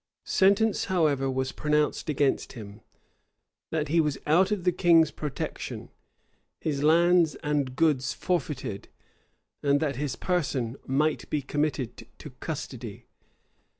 Sentence, however, was pronounced against him, "That he was out of the king's protection; his lands and goods forfeited; and that his person might be committed to custody."